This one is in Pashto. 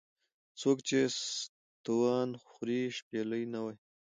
ـ څوک چې ستوان خوري شپېلۍ نه وهي .